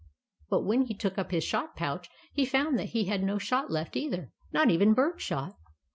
But when he took up his shot pouch, he found that he had no shot left either, not even bird shot.